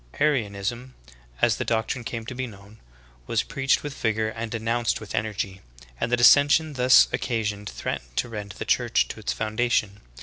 16. Arianism, as the doctrine came to be known, was preached with vigor and denounced with energy; and the dissension thus occasioned threatened to rend the Church to its foundation.